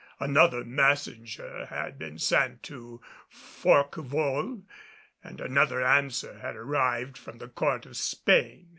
Another messenger had been sent to Forquevaulx and another answer had arrived from the Court of Spain.